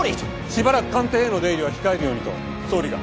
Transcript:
しばらく官邸への出入りは控えるようにと総理が。